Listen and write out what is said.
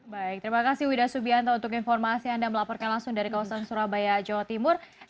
baik terima kasih wida subianto untuk informasi anda melaporkan langsung dari kawasan surabaya jawa timur